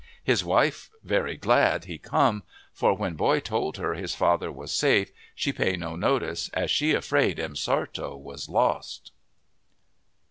His wife very glad he come, for when boy told her his father was safe she pay no notice, as she afraid M'Sartto was lost."